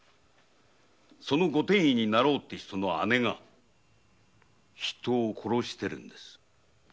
そのご典医になろうって人の姉が人を殺しているんですよ。